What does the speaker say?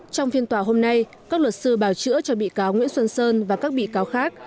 trong phiên tòa hôm nay các luật sư bảo chữa cho bị cáo nguyễn xuân sơn và các bị cáo khác